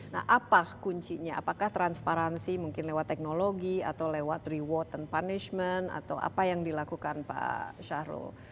nah apa kuncinya apakah transparansi mungkin lewat teknologi atau lewat reward and punishment atau apa yang dilakukan pak syahrul